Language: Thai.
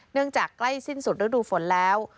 เนื่องจากใกล้สิ้นสุดฤดูฝนแล้ว